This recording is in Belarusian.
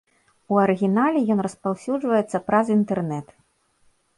У арыгінале ён распаўсюджваецца праз інтэрнэт.